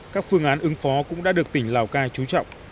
các phương án ứng phó cũng đã được tỉnh lào cai chú trọng